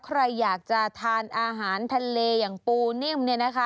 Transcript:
ใครอยากจะทานอาหารทะเลอย่างปูนิ่ม